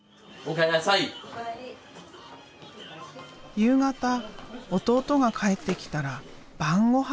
夕方弟が帰ってきたら晩ごはん。